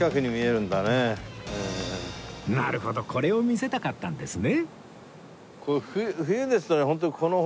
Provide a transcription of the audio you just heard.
なるほどこれを見せたかったんですね